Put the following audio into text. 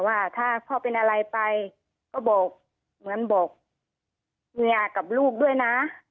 ว่าถ้าพ่อเป็นอะไรไปก็บอกเหมือนบอกเมียกับลูกด้วยนะ